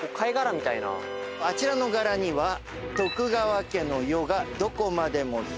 あちらの柄には徳川家の世がどこまでも広がっていく波。